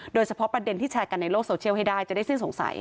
โดยเฉพาะประเด็นที่แชร์กันในโลกโซเชียลให้ได้จะได้สิ้นสงสัย